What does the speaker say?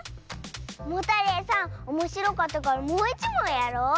モタレイさんおもしろかったからもういちもんやろう。